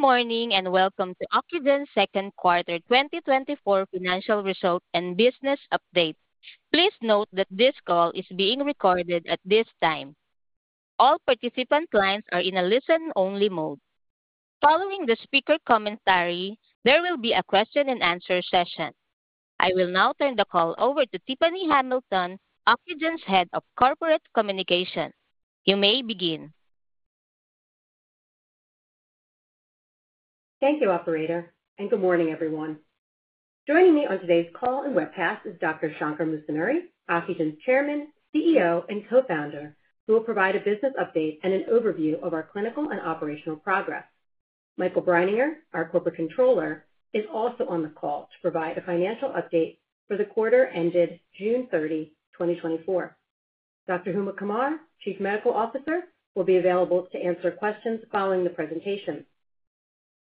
Good morning, and welcome to Ocugen's second quarter 2024 financial results and business update. Please note that this call is being recorded at this time. All participant lines are in a listen-only mode. Following the speaker commentary, there will be a question and answer session. I will now turn the call over to Tiffany Hamilton, Ocugen's Head of Corporate Communications. You may begin. Thank you, operator, and good morning, everyone. Joining me on today's call and webcast is Dr. Shankar Musunuri, Ocugen's Chairman, CEO, and Co-founder, who will provide a business update and an overview of our clinical and operational progress. Michael Brininger, our Corporate Controller, is also on the call to provide a financial update for the quarter ended June 30th, 2024. Dr. Huma Qamar, Chief Medical Officer, will be available to answer questions following the presentation.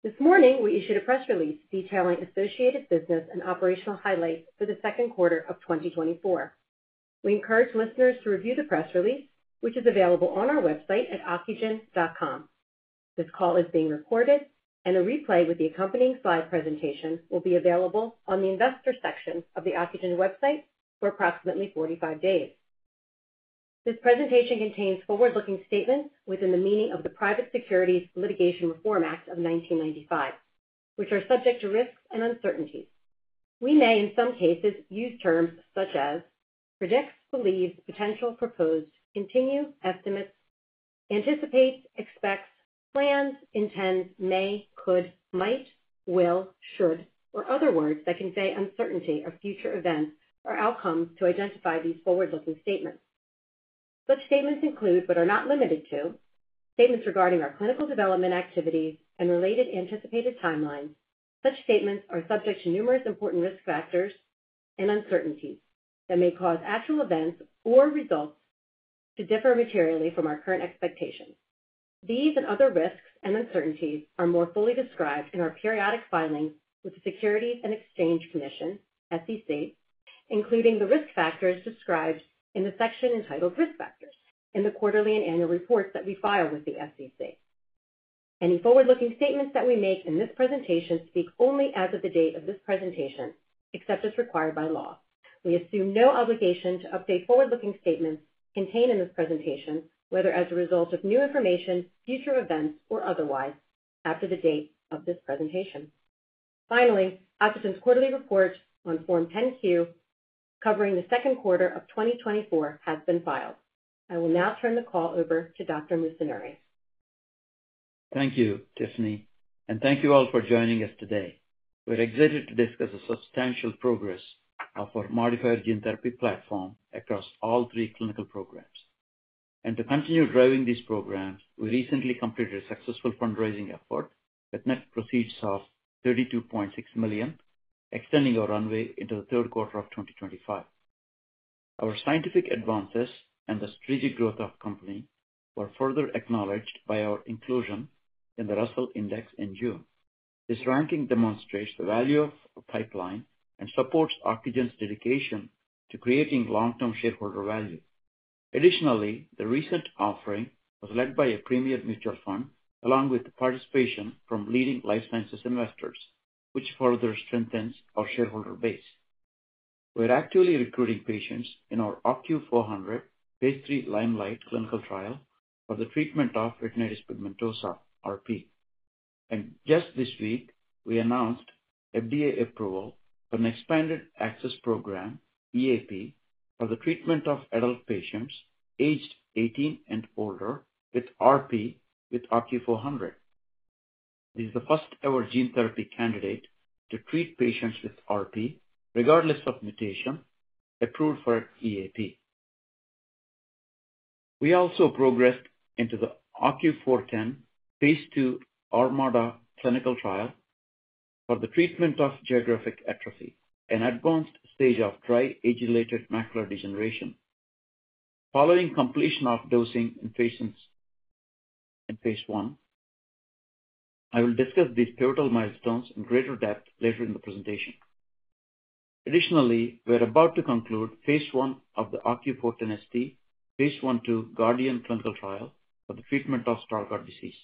This morning, we issued a press release detailing associated business and operational highlights for the second quarter of 2024. We encourage listeners to review the press release, which is available on our website at ocugen.com. This call is being recorded, and a replay with the accompanying slide presentation will be available on the investor section of the Ocugen website for approximately 45 days. This presentation contains forward-looking statements within the meaning of the Private Securities Litigation Reform Act of 1995, which are subject to risks and uncertainties. We may, in some cases, use terms such as predicts, believes, potential, proposed, continue, estimates, anticipates, expects, plans, intends, may, could, might, will, should, or other words that convey uncertainty of future events or outcomes to identify these forward-looking statements. Such statements include, but are not limited to, statements regarding our clinical development activities and related anticipated timelines. Such statements are subject to numerous important risk factors and uncertainties that may cause actual events or results to differ materially from our current expectations. These and other risks and uncertainties are more fully described in our periodic filings with the Securities and Exchange Commission, SEC, including the risk factors described in the section entitled "Risk Factors" in the quarterly and annual reports that we file with the SEC. Any forward-looking statements that we make in this presentation speak only as of the date of this presentation, except as required by law. We assume no obligation to update forward-looking statements contained in this presentation, whether as a result of new information, future events, or otherwise, after the date of this presentation. Finally, Ocugen's quarterly report on Form 10-Q, covering the second quarter of 2024, has been filed. I will now turn the call over to Dr. Musunuri. Thank you, Tiffany, and thank you all for joining us today. We're excited to discuss the substantial progress of our modifier gene therapy platform across all three clinical programs. To continue driving these programs, we recently completed a successful fundraising effort with net proceeds of $32.6 million, extending our runway into the third quarter of 2025. Our scientific advances and the strategic growth of company were further acknowledged by our inclusion in the Russell Index in June. This ranking demonstrates the value of our pipeline and supports Ocugen's dedication to creating long-term shareholder value. Additionally, the recent offering was led by a premier mutual fund, along with participation from leading life sciences investors, which further strengthens our shareholder base. We're actively recruiting patients in our OCU400 phase III LIMELIGHT clinical trial for the treatment of retinitis pigmentosa, RP. Just this week, we announced FDA approval for an expanded access program, EAP, for the treatment of adult patients aged 18 and older with RP with OCU400. This is the first-ever gene therapy candidate to treat patients with RP, regardless of mutation, approved for EAP. We also progressed into the OCU410 phase II ARMADA clinical trial for the treatment of geographic atrophy, an advanced stage of dry age-related macular degeneration. Following completion of dosing in patients in phase I, I will discuss these pivotal milestones in greater depth later in the presentation. Additionally, we're about to conclude phase I of the OCU410ST phase I/II GUARDIAN clinical trial for the treatment of Stargardt disease.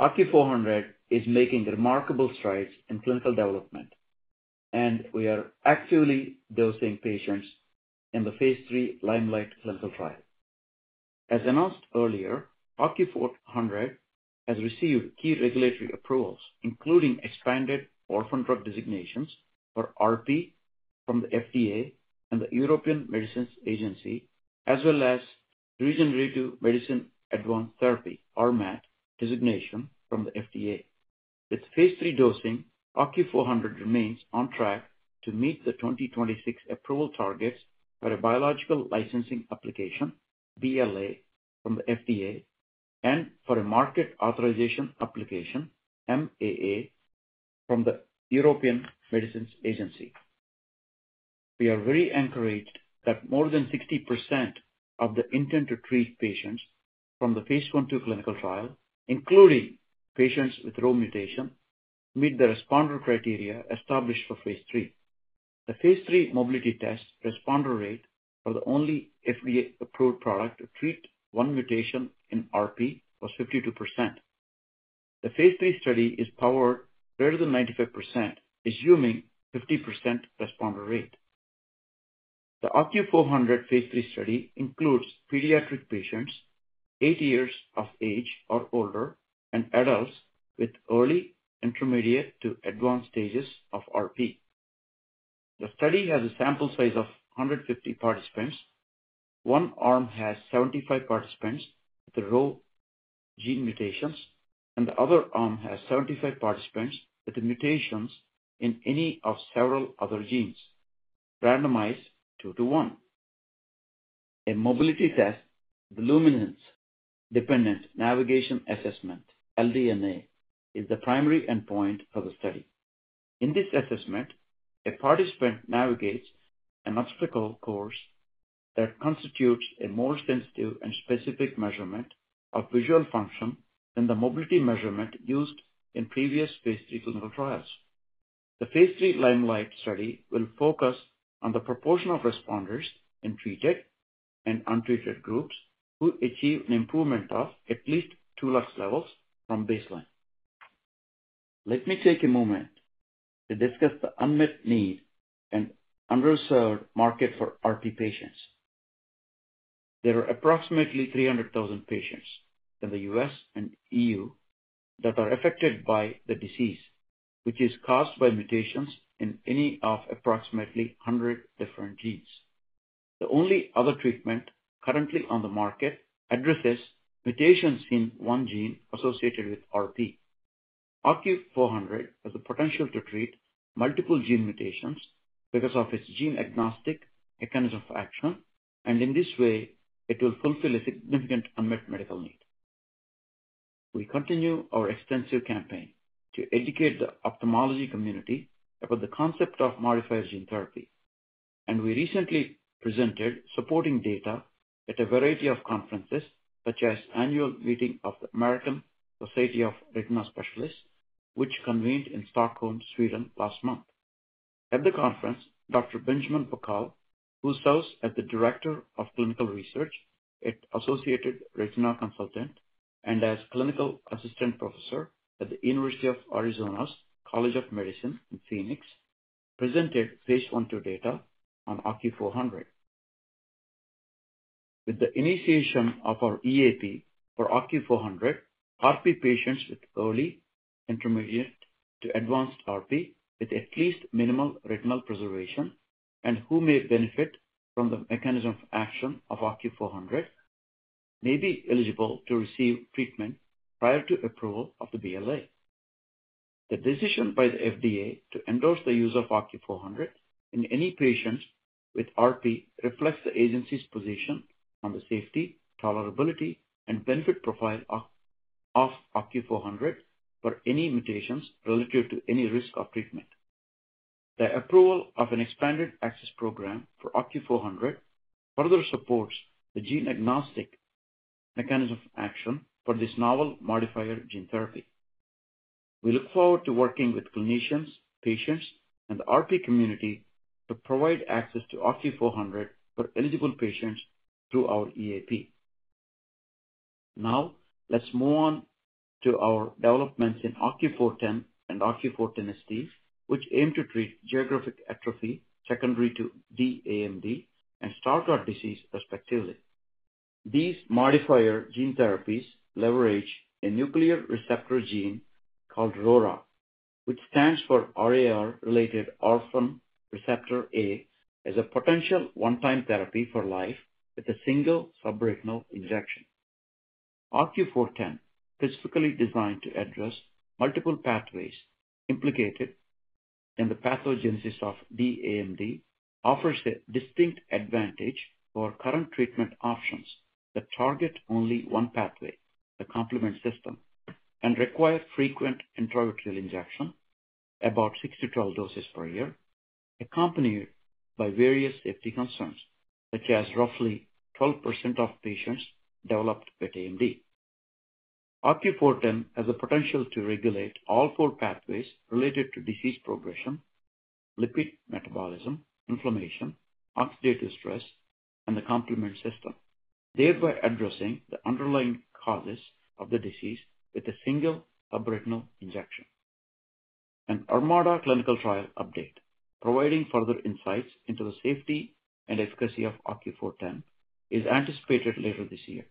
OCU400 is making remarkable strides in clinical development, and we are actively dosing patients in the phase III LIMELIGHT clinical trial. As announced earlier, OCU400 has received key regulatory approvals, including expanded orphan drug designations for RP from the FDA and the European Medicines Agency, as well as Regenerative Medicine Advanced Therapy, RMAT, designation from the FDA. With phase III dosing, OCU400 remains on track to meet the 2026 approval targets for a Biologics License Application, BLA, from the FDA and for a Marketing Authorization Application, MAA, from the European Medicines Agency. We are very encouraged that more than 60% of the intent to treat patients from the phase I/II clinical trial, including patients with RHO mutation The OCU400 phase III study includes pediatric patients, eight years of age or older, and adults with early intermediate to advanced stages of RP. The study has a sample size of 150 participants. One arm has 75 participants with the RHO gene mutations, and the other arm has 75 participants with the mutations in any of several other genes, randomized two to one. A mobility test, the luminance dependent navigation assessment, LDNA, is the primary endpoint of the study. In this assessment, a participant navigates an obstacle course that constitutes a more sensitive and specific measurement of visual function than the mobility measurement used in previous phase III clinical trials. The phase III Limelight study will focus on the proportion of responders in treated and untreated groups who achieve an improvement of at least two lux levels from baseline. Let me take a moment to discuss the unmet need and underserved market for RP patients. There are approximately 300,000 patients in the U.S. and E.U. that are affected by the disease, which is caused by mutations in any of approximately 100 different genes. The only other treatment currently on the market addresses mutations in one gene associated with RP. OCU400 has the potential to treat multiple gene mutations because of its gene agnostic mechanism of action, and in this way, it will fulfill a significant unmet medical need. We continue our extensive campaign to educate the ophthalmology community about the concept of modifier gene therapy, and we recently presented supporting data at a variety of conferences, such as Annual Meeting of the American Society of Retina Specialists, which convened in Stockholm, Sweden, last month. At the conference, Dr. Benjamin P. Pockros, who serves as the Director of Clinical Research at Associated Retina Consultants and as Clinical Assistant Professor at the University of Arizona College of Medicine – Phoenix, presented phase I/II data on OCU400. With the initiation of our EAP for OCU400, RP patients with early intermediate to advanced RP, with at least minimal retinal preservation and who may benefit from the mechanism of action of OCU400, may be eligible to receive treatment prior to approval of the BLA. The decision by the FDA to endorse the use of OCU400 in any patients with RP reflects the agency's position on the safety, tolerability, and benefit profile of OCU400 for any mutations relative to any risk of treatment. The approval of an expanded access program for OCU400 further supports the gene-agnostic mechanism of action for this novel modifier gene therapy. We look forward to working with clinicians, patients, and the RP community to provide access to OCU400 for eligible patients through our EAP. Now, let's move on to our developments in OCU410 and OCU410ST, which aim to treat Geographic Atrophy secondary to dAMD and Stargardt Disease respectively. These modifier gene therapies leverage a nuclear receptor gene called RORA, which stands for RAR-related orphan receptor A, as a potential one-time therapy for life with a single subretinal injection. OCU410, physically designed to address multiple pathways implicated in the pathogenesis of dAMD, offers a distinct advantage for current treatment options that target only one pathway, the complement system, and require frequent intravitreal injection, about 6 to 12 doses per year, accompanied by various safety concerns, such as roughly 12% of patients developed with AMD. OCU410 has the potential to regulate all four pathways related to disease progression, lipid metabolism, inflammation, oxidative stress, and the complement system, thereby addressing the underlying causes of the disease with a single subretinal injection. An ARMADA clinical trial update, providing further insights into the safety and efficacy of OCU410 is anticipated later this year.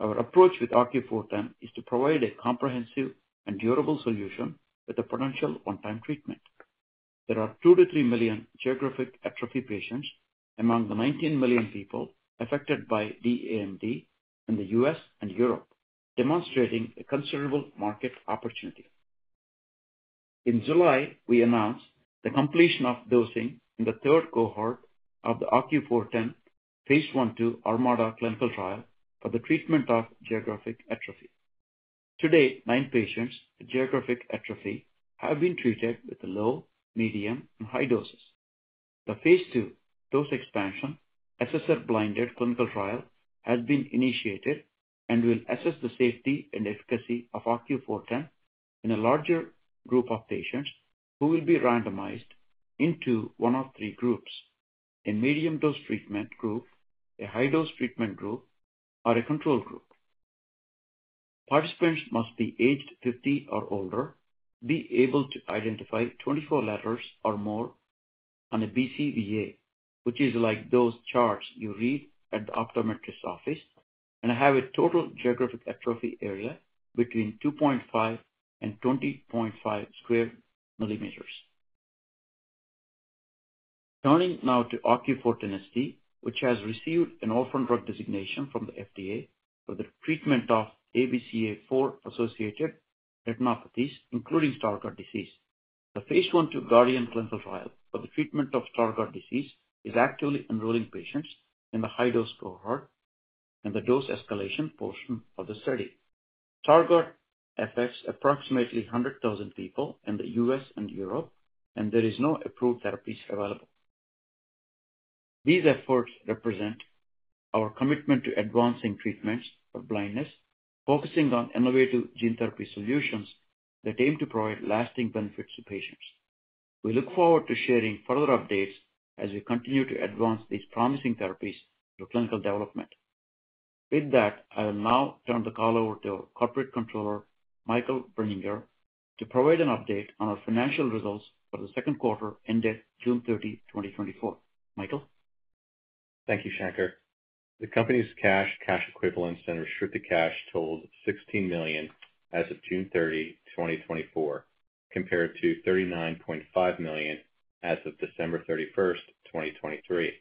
Our approach with OCU410 is to provide a comprehensive and durable solution with a potential one-time treatment. There are 2 million to 3 million geographic atrophy patients among the 19 million people affected by AMD in the U.S. and Europe, demonstrating a considerable market opportunity. In July, we announced the completion of dosing in the third cohort of the OCU410 phase I/II ARMADA clinical trial for the treatment of geographic atrophy. Today, nine patients with geographic atrophy have been treated with a low, medium, and high doses. The phase II dose expansion, Assessor blinded Stargardt affects approximately 100,000 people in the U.S. and Europe, and there is no approved therapies available. These efforts represent our commitment to advancing treatments for blindness, focusing on innovative gene therapy solutions that aim to provide lasting benefits to patients. We look forward to sharing further updates as we continue to advance these promising therapies through clinical development. With that, I will now turn the call over to our corporate controller, Michael Brininger, to provide an update on our financial results for the second quarter ended June 30th, 2024. Michael? Thank you, Shankar. The company's cash, cash equivalents, and restricted cash totaled $16 million as of June 30th, 2024, compared to $39.5 million as of December 31st, 2023.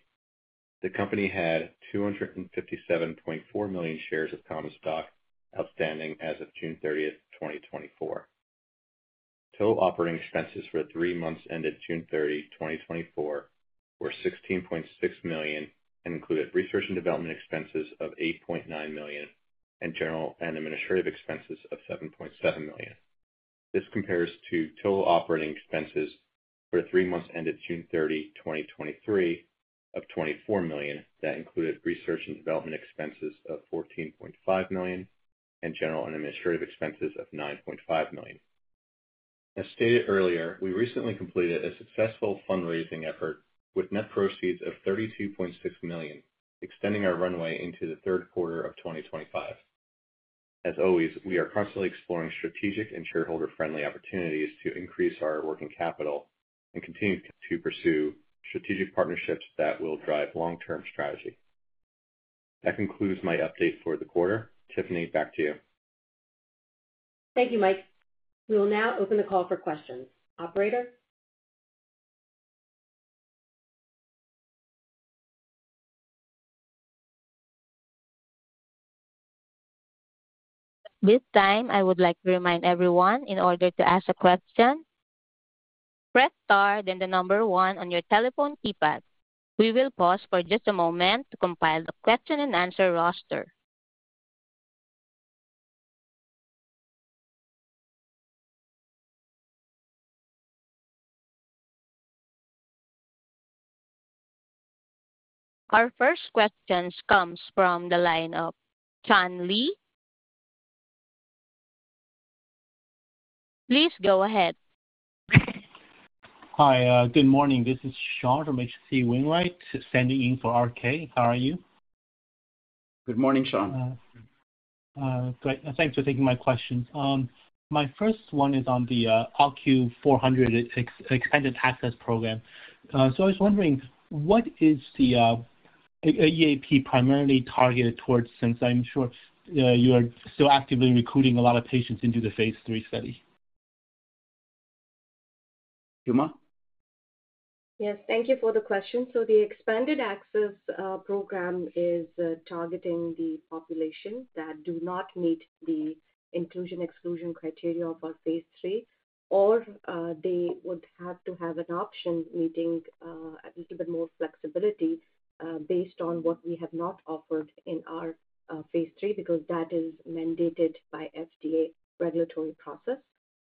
The company had 257.4 million shares of common stock outstanding as of June 30th, 2024. Total operating expenses for the three months ended June 30th, 2024, were $16.6 million and included research and development expenses of $8.9 million and general and administrative expenses of $7.7 million. This compares to total operating expenses for the three months ended June 30th, 2023, of $24 million. That included research and development expenses of $14.5 million and general and administrative expenses of $9.5 million. As stated earlier, we recently completed a successful fundraising effort with net proceeds of $32.6 million, extending our runway into the third quarter of 2025. As always, we are constantly exploring strategic and shareholder-friendly opportunities to increase our working capital and continue to pursue strategic partnerships that will drive long-term strategy. That concludes my update for the quarter. Tiffany, back to you. Thank you, Mike. We will now open the call for questions. Operator? At this time, I would like to remind everyone, in order to ask a question, press Star, then one on your telephone keypad. We will pause for just a moment to compile the question and answer roster. Our first questions comes from the line of Sean Lee. Please go ahead. Hi, good morning. This is Sean from HC Wainwright, standing in for RK. How are you? Good morning, Sean. Great. Thanks for taking my questions. My first one is on the OCU400 expanded access program. I was wondering, what is the EAP primarily targeted towards, since I'm sure you are still actively recruiting a lot of patients into the phase III study? Uma? Yes, thank you for the question. So the expanded access program is targeting the population that do not meet the inclusion, exclusion criteria for Phase III, or they would have to have an option, needing a little bit more flexibility based on what we have not offered in our Phase III, because that is mandated by FDA regulatory process.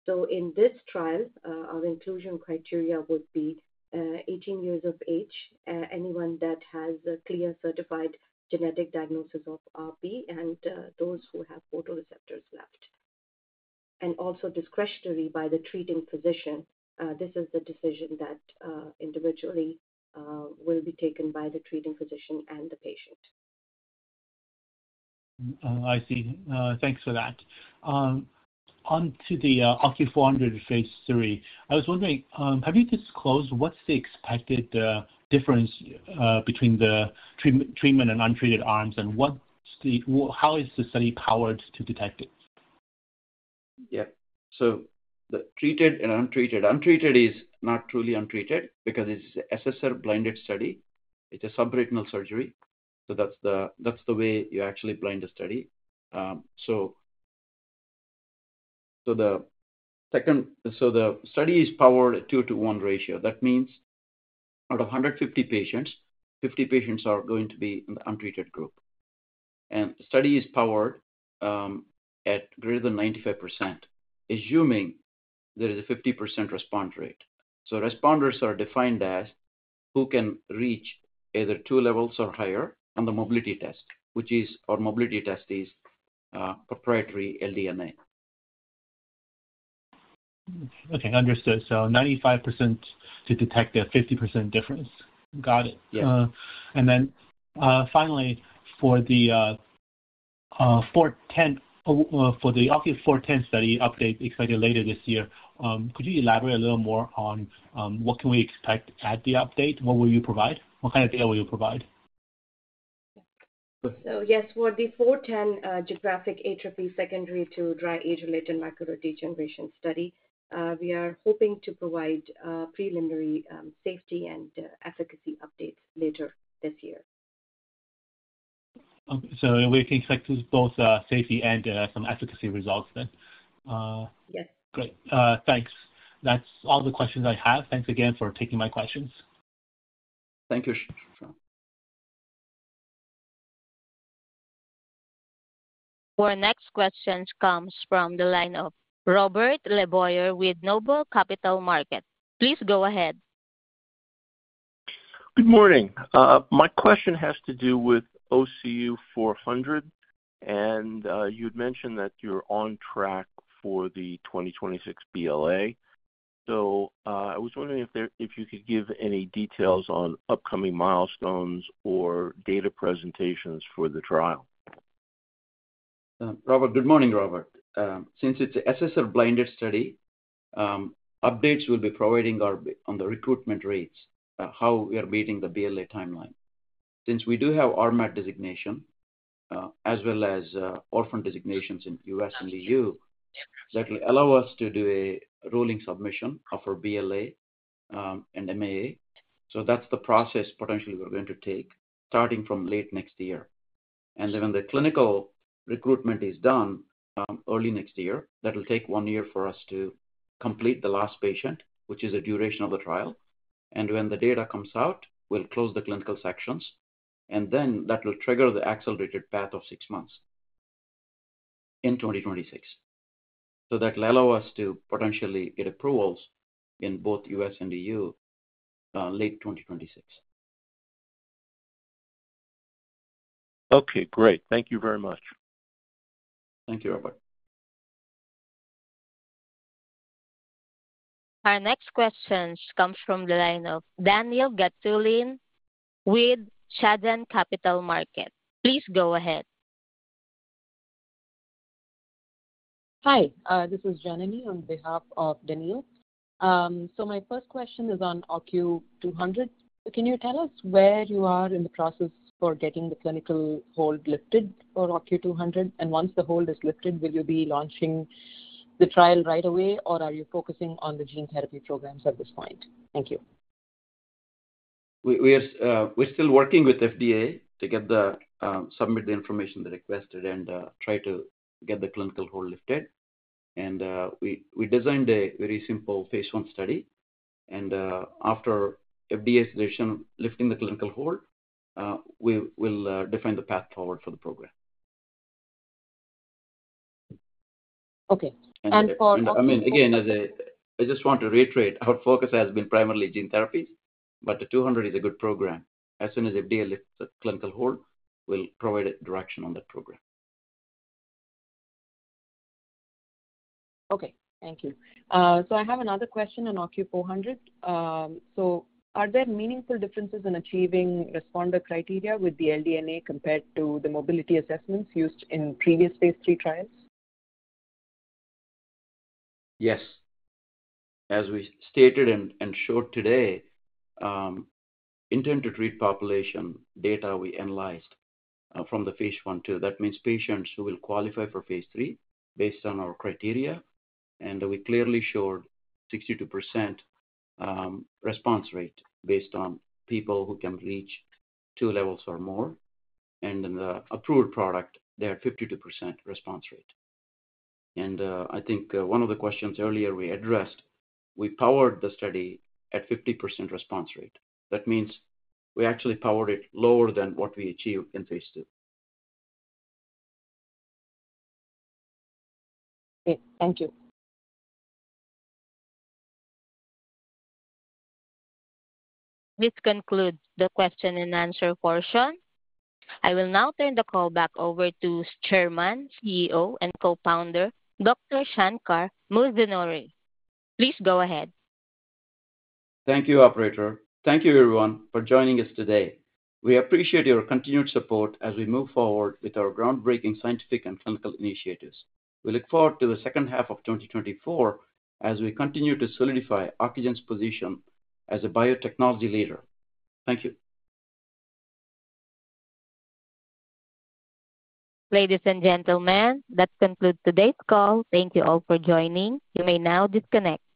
So in this trial, our inclusion criteria would be 18 years of age, anyone that has a clear, certified genetic diagnosis of RP, and those who have photoreceptors left, and also discretionary by the treating physician. This is the decision that individually will be taken by the treating physician and the patient. I see. Thanks for that. On to the OCU400 phase III. I was wondering, have you disclosed what's the expected difference between the treatment and untreated arms, and how is the study powered to detect it? Yeah. So the treated and untreated. Untreated is not truly untreated because it's an SSR blinded study. It's a subretinal surgery, so that's the way you actually blind the study. So the study is powered at 2:1 ratio. That means out of 150 patients, 50 patients are going to be in the untreated group. And the study is powered at greater than 95%, assuming there is a 50% response rate. So responders are defined as- who can reach either two levels or higher on the mobility test, which is our mobility test is proprietary LDNA. Okay, understood. So 95% to detect a 50% difference. Got it. Yes. Finally, for the OCU410 study update expected later this year, could you elaborate a little more on what can we expect at the update? What will you provide? What kind of data will you provide? So yes, for the OCU410 geographic atrophy secondary to dry age-related macular degeneration study, we are hoping to provide preliminary safety and efficacy updates later this year. So we can expect both safety and some efficacy results then. Yes. Great. Thanks. That's all the questions I have. Thanks again for taking my questions. Thank you. Our next question comes from the line of Robert LeBoyer with Noble Capital Markets. Please go ahead. Good morning. My question has to do with OCU400, and you'd mentioned that you're on track for the 2026 BLA. So, I was wondering if you could give any details on upcoming milestones or data presentations for the trial. Robert. Good morning, Robert. Since it's an SSR blinded study, updates will be providing our, on the recruitment rates, how we are meeting the BLA timeline. Since we do have RMAT designation, as well as, orphan designations in U.S. and EU, that will allow us to do a rolling submission of our BLA, and MAA. So that's the process potentially we're going to take, starting from late next year. And then when the clinical recruitment is done, early next year, that will take one year for us to complete the last patient, which is the duration of the trial. And when the data comes out, we'll close the clinical sections, and then that will trigger the accelerated path of six months in 2026. So that will allow us to potentially get approvals in both U.S. and EU, late 2026. Okay, great. Thank you very much. Thank you, Robert. Our next question comes from the line of Daniel Gataulin with Chardan Capital Markets. Please go ahead. Hi, this is Janani on behalf of Daniel. So my first question is on OCU200. Can you tell us where you are in the process for getting the clinical hold lifted for OCU200? And once the hold is lifted, will you be launching the trial right away, or are you focusing on the gene therapy programs at this point? Thank you. We are still working with FDA to submit the information they requested, and we designed a very simple phase one study. After FDA's decision lifting the clinical hold, we will define the path forward for the program. Okay. And for- I mean, again, as I just want to reiterate, our focus has been primarily gene therapies, but the 200 is a good program. As soon as the FDA lifts the clinical hold, we'll provide a direction on that program. Okay, thank you. So I have another question on OCU400. So are there meaningful differences in achieving responder criteria with the LDNA compared to the mobility assessments used in previous phase III trials? Yes. As we stated and showed today, intent to treat population data we analyzed from the phase I/II. That means patients who will qualify for phase III based on our criteria, and we clearly showed 62% response rate based on people who can reach two levels or more. And in the approved product, they are 52% response rate. And I think one of the questions earlier we addressed, we powered the study at 50% response rate. That means we actually powered it lower than what we achieved in phase II. Great. Thank you. This concludes the question and answer portion. I will now turn the call back over to Chairman, CEO, and Co-founder, Dr. Shankar Musunuri. Please go ahead. Thank you, operator. Thank you, everyone, for joining us today. We appreciate your continued support as we move forward with our groundbreaking scientific and clinical initiatives. We look forward to the second half of 2024 as we continue to solidify Ocugen's position as a biotechnology leader. Thank you. Ladies and gentlemen, that concludes today's call. Thank you all for joining. You may now disconnect.